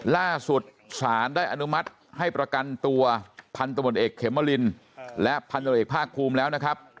ล่าสุดศาลได้อนุมัติให้ประกันตัวพันธุ์ตำรวจเอกเขมรินและพันธุ์ตำรวจเอกภาคคลุมแล้วนะครับ